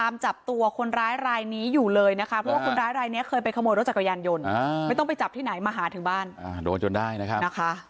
มันอยู่ที่บ้านเราเอง